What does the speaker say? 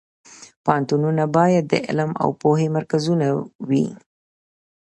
پوهنتونونه باید د علم او پوهې مرکزونه وي